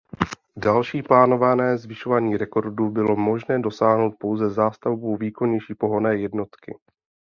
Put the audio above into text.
Další plánované zvyšování rekordů bylo možné dosáhnout pouze zástavbou výkonnější pohonné jednotky.